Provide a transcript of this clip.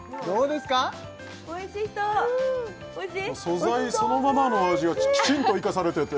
「素材そのままのお味がきちんと生かされてて」